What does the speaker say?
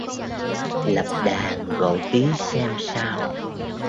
Lập đàn gọi tí xem sao